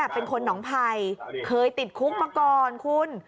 เป็นคนหนองไผ่เคยติดคุกมาก่อนคุณ